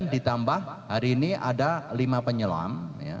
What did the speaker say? ditambah hari ini ada lima penyelam